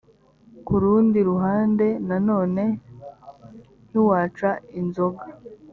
ku rundi ruhande nanone ntiwaca inzoga